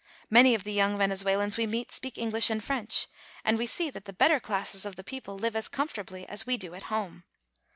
Many of the young Vene zuelans we meet speak English and French, and we see that the better classes, of the people live as comfortably as we do at home.